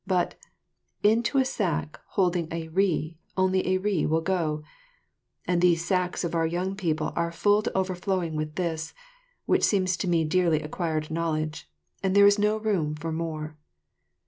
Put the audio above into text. But, "into a sack holding a ri, only a ri will go," and these sacks of our young people are full to overflowing with this, which seems to me dearly acquired knowledge, and there is not room for more.